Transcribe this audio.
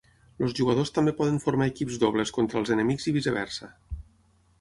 Els jugadors també poden formar equips dobles contra els enemics i viceversa.